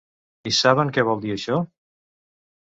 I saben què vol dir això?